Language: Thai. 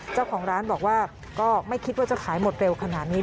เจ้าของร้านบอกว่าก็ไม่คิดว่าจะขายหมดเร็วขนาดนี้